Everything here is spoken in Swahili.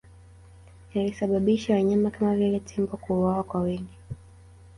Yalisababisha wanyama kama vile tembo kuuawa kwa wingi